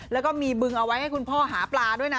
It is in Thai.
แล้วก็มีบึงเอาไว้ให้คุณพ่อหาปลาด้วยนะ